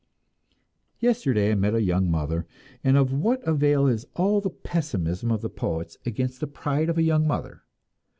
Yesterday I met a young mother; and of what avail is all the pessimism of poets against the pride of a young mother?